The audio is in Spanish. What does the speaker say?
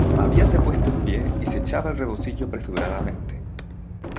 habíase puesto en pie, y se echaba el rebocillo apresuradamente: